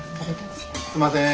すんません。